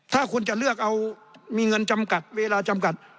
ถ้าคุณจะเลือกเอามีเงินจำกัดเวลาจำกัด